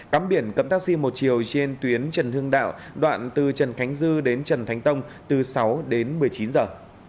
cắm biển cấm taxi một chiều trên tuyến trần hưng đạo đoạn từ trần khánh dư đến trần thánh tông từ sáu đến một mươi chín giờ